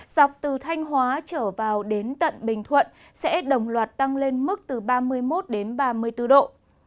dọc từ thanh hóa trở vào đến tận bình thuận sẽ đồng loạt tăng lên mức từ ba mươi một đến ba mươi bốn độ